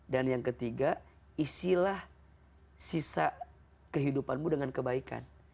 dan yang ketiga isilah sisa kehidupanmu dengan kebaikan